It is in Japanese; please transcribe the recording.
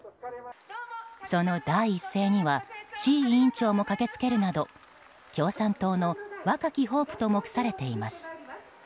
その第一声には志位委員長も駆けつけるなど共産党の若きホープと目されています。